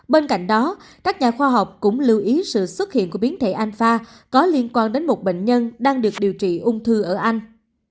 bên cạnh đó các nhà khoa học cũng lưu ý sự xuất hiện của biến thể anfa có liên quan đến một bệnh nhân đang được điều trị ung thư ở anh